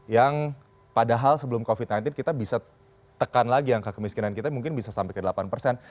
yang padahal sebelum covid sembilan belas kita bisa tekan lagi angka kemiskinan kita mungkin bisa sampai ke delapan persen